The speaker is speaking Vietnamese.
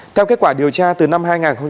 theo kết quả điều tra từ năm hai nghìn một mươi